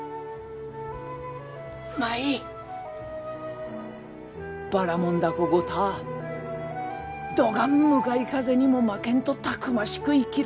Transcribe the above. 舞ばらもん凧ごたぁどがん向かい風にも負けんとたくましく生きるとぞ。